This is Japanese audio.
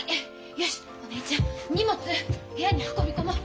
よしお姉ちゃん荷物部屋に運び込もう。